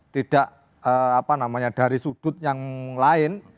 tidak dari sudut yang lain